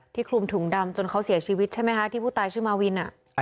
คลุมถุงดำจนเขาเสียชีวิตใช่ไหมคะที่ผู้ตายชื่อมาวิน